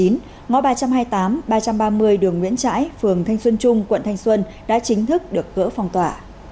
ngõ ba trăm hai mươi tám ba trăm ba mươi đường nguyễn trãi phường thanh xuân trung quận thanh xuân đã chính thức được gỡ phong tỏa